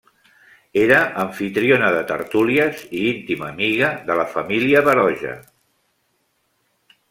Era amfitriona de tertúlies i íntima amiga de la família Baroja.